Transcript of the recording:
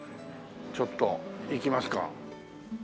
ちょっと行きますか。